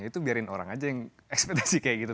itu biarin orang aja yang ekspedisi kayak gitu